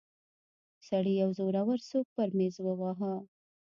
سړي يو زورور سوک پر ميز وواهه.